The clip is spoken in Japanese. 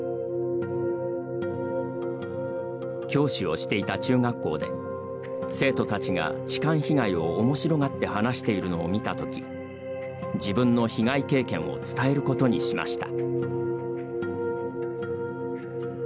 教師をしていた中学校で生徒たちが痴漢被害をおもしろがって話しているのを見たとき自分の被害経験を伝えることにしました。